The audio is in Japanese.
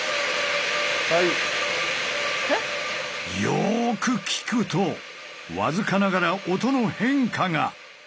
よく聴くと僅かながら音の変化が！